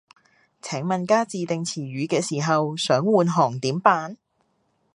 請問加自訂詞語嘅時候，想換行點辦